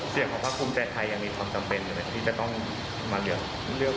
เสียงของภาคภูมิใจไทยยังมีความจำเป็นอยู่ไหมที่จะต้องมาเลือก